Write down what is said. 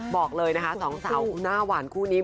บอกเลยนะคะสองสาวหน้าหวานคู่นี้